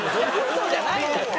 嘘じゃないんだって！